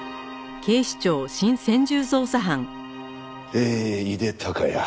えー井手孝也。